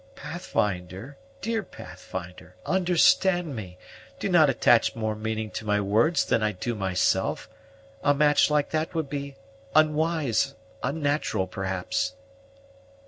"Pathfinder, dear Pathfinder, understand me; do not attach more meaning to my words than I do myself: a match like that would be unwise, unnatural, perhaps."